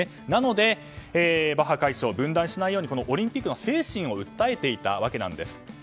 なので、バッハ会長は分断しないようにオリンピックの精神を訴えていたわけなんです。